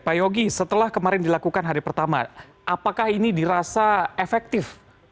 pak yogi setelah kemarin dilakukan hari pertama apakah ini dirasa efektif